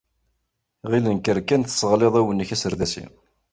Ɣillen kker kan tesseɣliḍ awanek aserdasi!